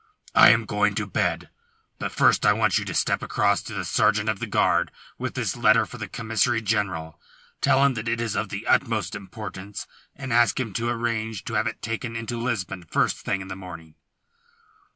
"I am going to bed. But first I want you to step across to the sergeant of the guard with this letter for the Commissary General. Tell him that it is of the utmost importance, and ask him to arrange to have it taken into Lisbon first thing in the morning."